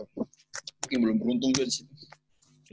mungkin belum beruntung juga disitu